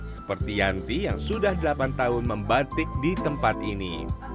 seperti yanti yang sudah delapan tahun membatik di tempat ini